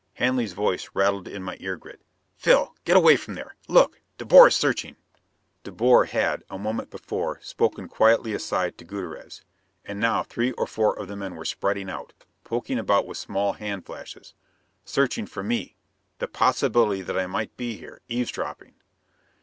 Hanley's voice rattled my ear grid. "Phil! Get away from there! Look! De Boer is searching!" De Boer had, a moment before, spoken quietly aside to Gutierrez. And now three or four of the men were spreading out, poking about with small hand flashes. Searching for me! The possibility that I might be here, eavesdropping!